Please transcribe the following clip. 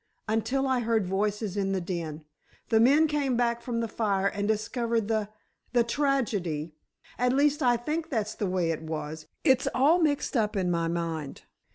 "Until I heard voices in the den—the men came back from the fire and discovered the—the tragedy. At least, I think that's the way it was. It's all mixed up in my mind.